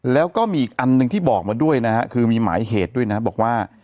แล้วก็มีอีกอันหนึ่งที่บอกมาด้วยนะฮะคือมีหมายเหตุด้วยนะครับบอกว่า